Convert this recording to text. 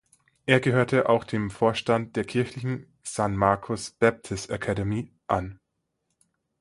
Er gehörte auch dem Vorstand der kirchlichen "San Marcos Baptist Academy" an.